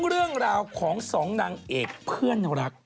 เรื่องราวของสองนางเอกเพื่อนรัก